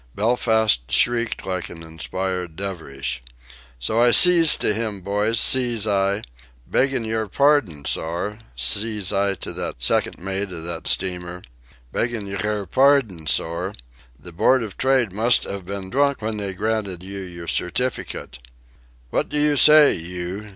Belfast shrieked like an inspired Dervish: "... So I seez to him, boys, seez I, 'Beggin' yer pardon, sorr,' seez I to that second mate of that steamer 'beggin' your r r pardon, sorr, the Board of Trade must 'ave been drunk when they granted you your certificate!' 'What do you say, you